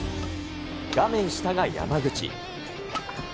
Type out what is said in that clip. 画面下が山口。